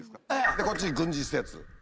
でこっち軍事施設。